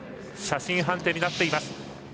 写真判定になっています。